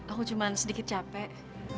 aku cuma sedikit capek